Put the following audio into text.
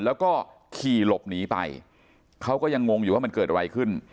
แล้วก็ขี่หลบหนีไปเขาก็ยังงงอยู่ว่ามันเกิดอะไรขึ้น